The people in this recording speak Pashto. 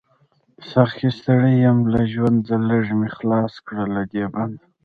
ساقۍ ستړی يم له ژونده، ليږ می خلاص کړه له دی بنده